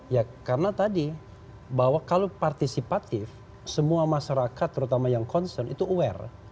ya karena tadi bahwa kalau partisipatif semua masyarakat terutama yang concern itu aware